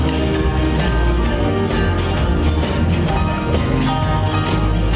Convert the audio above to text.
ดูชีวิตเท่าใจแล้วห่วงห่วง